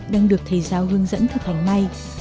đang được thầy giáo hướng dẫn thực hành may